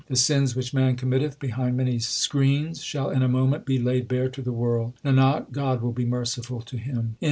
The sins which man committeth behind many screens Shall in a moment be laid bare to the world. Nanak, God will be merciful to him 1 Birani.